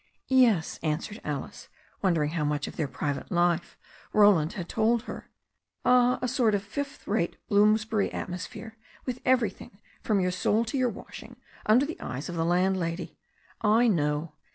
"Yes," answered Alice, wondering how much of their private life Roland had told her. "Ah, a sort of fifth rate Bloomsbury atmosphere, with everything, from your soul to your washing, under the eyes of the landlady. I know.